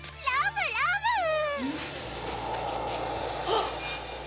あっ！